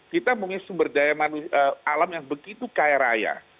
kita mempunyai sumber daya alam yang begitu kaya raya